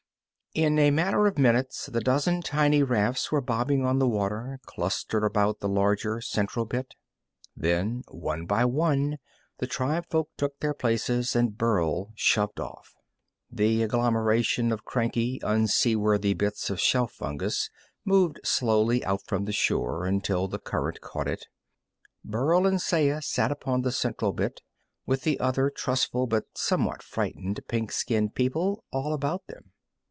In a matter of minutes the dozen tiny rafts were bobbing on the water, clustered about the larger, central bit. Then, one by one, the tribefolk took their places, and Burl shoved off. The agglomeration of cranky, unseaworthy bits of shelf fungus moved slowly out from the shore until the current caught it. Burl and Saya sat upon the central bit, with the other trustful but somewhat frightened pink skinned people all about them.